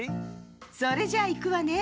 それじゃいくわね。